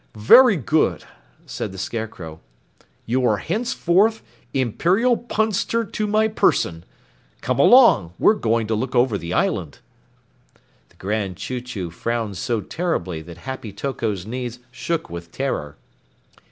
"Very good," said the Scarecrow. "You are henceforth Imperial Punster to my Person. Come along, we're going to look over the Island." The Grand Chew Chew frowned so terribly that Happy Toko's knees shook with terror.